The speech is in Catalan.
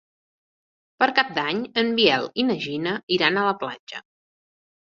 Per Cap d'Any en Biel i na Gina iran a la platja.